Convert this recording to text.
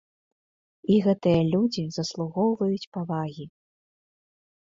І гэтыя людзі заслугоўваюць павагі.